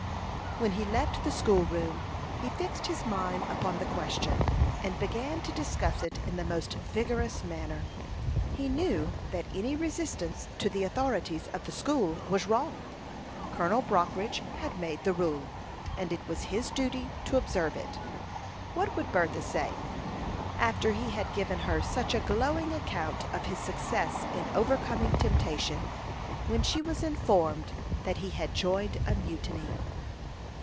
When he left the school room, he fixed his mind upon the question, and began to discuss it in the most vigorous manner. He knew that any resistance to the authorities of the school was wrong. Colonel Brockridge had made the rule, and it was his duty to observe it. What would Bertha say, after he had given her such a glowing account of his success in overcoming temptation, when she was informed that he had joined a mutiny?